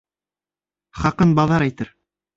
Хаҡын баҙар әйтер.